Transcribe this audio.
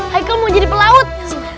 haikal mau jadi pelaut